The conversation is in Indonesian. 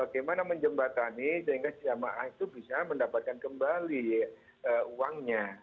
bagaimana menjembatani sehingga jamaah itu bisa mendapatkan kembali uangnya